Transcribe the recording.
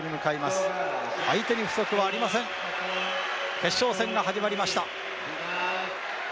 決勝戦が始まりました。